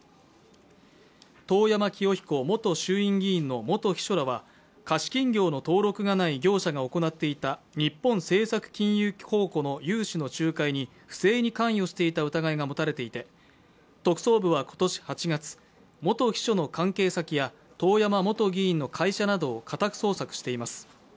遠山清彦元衆院議員の元秘書らは、貸金業の登録がない業者が行っていた日本政策金融公庫の融資の仲介に不正に関与していた疑いが持たれていて、特捜部は今年８月、元秘書の関係先や遠山元議員の会社などを家宅捜索しています。